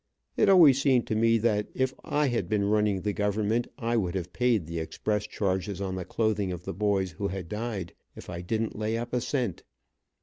It always seemed to me that if I had been running the government I would have paid the express charges on the clothing of the boys who had died, if I didn't lay up a cent.